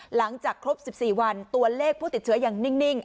หลังจากครบ๑๔วันตัวเลขผู้ติดเชื้อยังนิ่ง